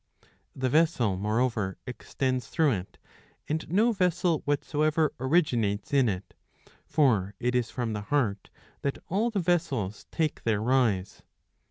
The vessel moreover extends through it, and no vessel whatsoever originates in it ; for it is from the heart that all the vessels take their rise.